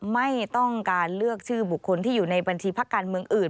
ไม่ต้องการเลือกชื่อบุคคลที่อยู่ในบัญชีพักการเมืองอื่น